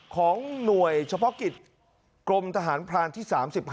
ของหน่วยเฉพาะกิจกรมทหารพรานที่๓๕